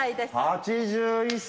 ８１歳。